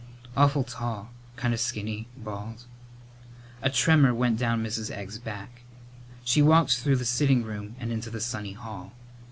"Awful tall kinda skinny bald " A tremor went down Mrs. Egg's back. She walked through the sitting room and into the sunny hall.